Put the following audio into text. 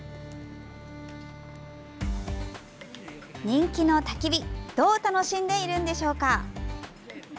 人気のたき火どう楽しんでいるんでしょうか。